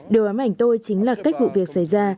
điều ám ảnh tôi chính là cách vụ việc xảy ra